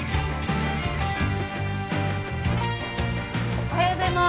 おはようございます。